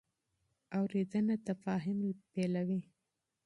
اورېدنه تفاهم پیلوي.